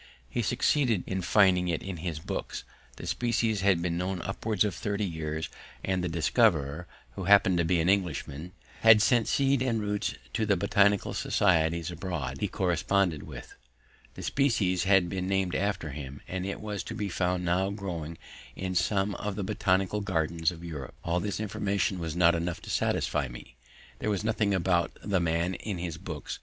He succeeded in finding it in his books: the species had been known upwards of thirty years, and the discoverer, who happened to be an Englishman, had sent seed and roots to the Botanical Societies abroad he corresponded with; the species had been named after him, and it was to be found now growing in some of the Botanical Gardens of Europe. All this information was not enough to satisfy me; there was nothing about the man in his books.